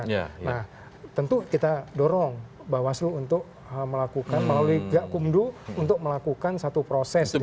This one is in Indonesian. nah tentu kita dorong bawaslu untuk melakukan melalui gak kumdu untuk melakukan satu proses